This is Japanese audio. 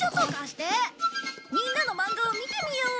みんなのマンガを見てみよう！